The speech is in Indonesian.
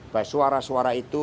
bahwa suara suara itu